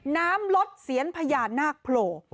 น้ำลดเสียงพญานาคโผล่